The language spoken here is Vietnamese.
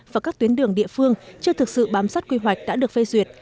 và các tuyến đường địa phương chưa thực sự bám sát quy hoạch đã được phê duyệt